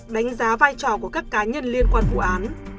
đánh giá vai trò của các cá nhân liên quan vụ án